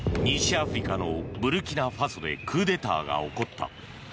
西アフリカのブルキナファソでクーデターが起こった。